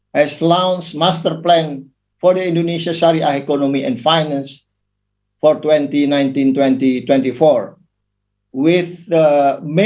telah meluncurkan perancangan utama untuk ekonomi dan pengembangan sariah di indonesia